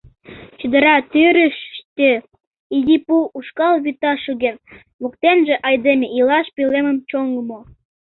Чодыра тӱрышщтӧ изи пу ушкал вӱта шоген, воктенже айдеме илаш пӧлемым чоҥымо.